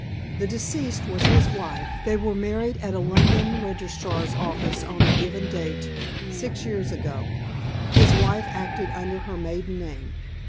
The deceased was his wife. They were married at a London registrar's office on a given date, six years ago. His wife acted under her maiden name.